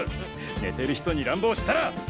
寝てる人に乱暴したら！